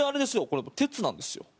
これ鉄なんですよ。